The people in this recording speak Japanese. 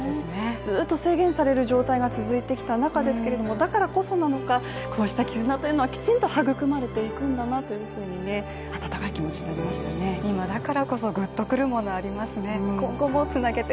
ずっと制限される状態が続いてきた中ですがだからこそなのか、こうした絆というのはきちんと育まれていくのかなと今日ひといきつきましたか？